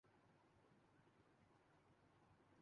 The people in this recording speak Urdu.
مغربی ارجنٹینا کا معیاری وقت